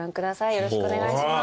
よろしくお願いします。